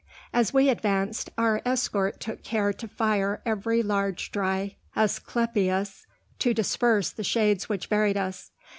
As we advanced our escort took care to fire every large dry asclepias, to disperse the shades which buried us.